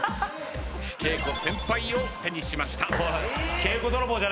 「恵子」先輩を手にしました。